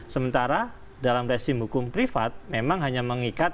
sementara dalam resim hukum privat memang hanya mengikat